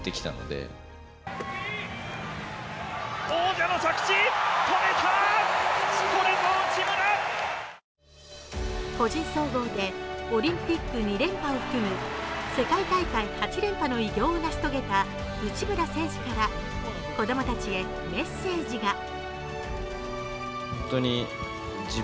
内村選手が体操の中で最もこだわったのは個人総合でオリンピック２連覇を含む世界大会８連覇の偉業を成し遂げた内村選手から子供たちへメッセージが。